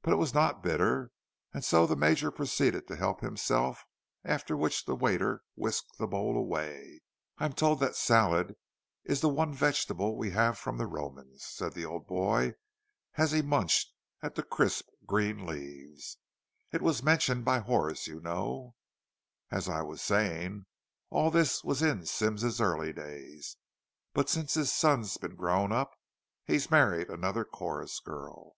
But it was not bitter, and so the Major proceeded to help himself, after which the waiter whisked the bowl away. "I'm told that salad is the one vegetable we have from the Romans," said the old boy, as he munched at the crisp green leaves. "It's mentioned by Horace, you know.—As I was saying, all this was in Symmes's early days. But since his son's been grown up, he's married another chorus girl."